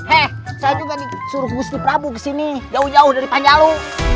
he saya juga nih suruh gusti prabu kesini jauh jauh dari panjalu